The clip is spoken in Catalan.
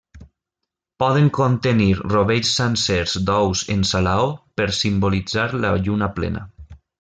Poden contenir rovells sencers d'ous en salaó per simbolitzar la lluna plena.